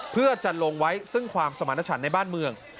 เพื่อจะลงไว้ซึ่งความสมรรถฉันในบ้านเมือง